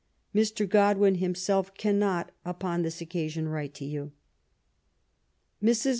Mr. Godwin himself •cannot, upon this occasion, write to you. Mrs.